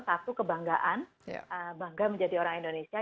satu kebanggaan bangga menjadi orang indonesia